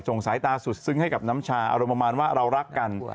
สายตาสุดซึ้งให้กับน้ำชาอารมณ์ประมาณว่าเรารักกัน